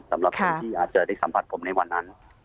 สำหรับคนที่อาจจะได้สัมผัสผมในวันนั้น